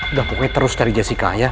udah pokoknya terus cari jessica ya